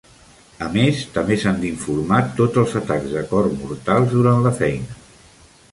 A més, també s'han d'informar tots els atacs de cor mortals durant la feina.